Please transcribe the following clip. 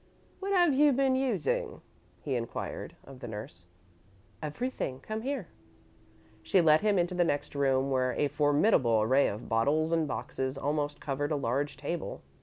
"What have you been using?" he inquired, of the nurse. "Everything. Come here." She led him into the next room, where a formidable array of bottles and boxes almost covered a large table.